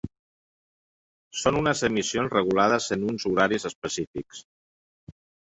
Són unes emissions regulades en uns horaris específics.